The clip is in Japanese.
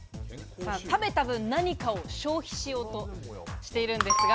食べた分、何かを消費しようとしているんですが。